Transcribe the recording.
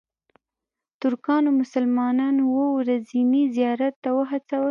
ترکانو مسلمانان اوو ورځني زیارت ته وهڅول.